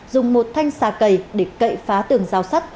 dùng một thanh xà cầy để cậy phá tường rào sắt